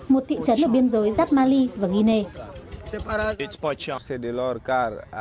một thị trấn ở biên giới giáp mali và guinea